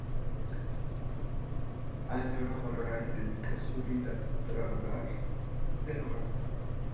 Añora volar y dedica toda su vida a tratar de lograrlo.